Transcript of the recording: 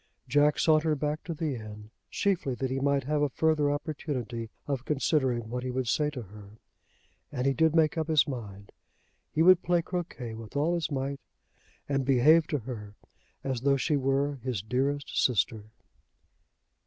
Jack sauntered back to the inn, chiefly that he might have a further opportunity of considering what he would say to her. And he did make up his mind. He would play croquet with all his might, and behave to her as though she were his dearest sister.